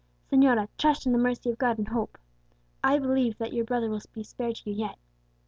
"Señorita, trust in the mercy of God, and hope. I believe that your brother will be spared to you yet."